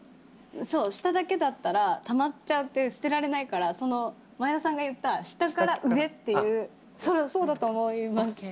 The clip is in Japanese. そう下だけだったらたまっちゃって捨てられないからその前田さんが言った下から上っていうそうだと思います。